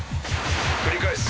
繰り返す。